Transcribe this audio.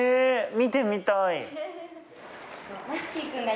見てみたい。